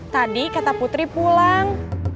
tadi kata putri pulang